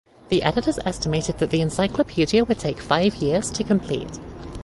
The editors estimated that the encyclopaedia would take five years to complete.